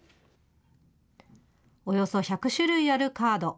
およそ１００種類あるカード。